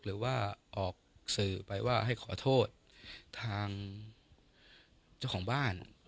หรือว่าออกสื่อไปว่าให้ขอโทษทางเจ้าของบ้าน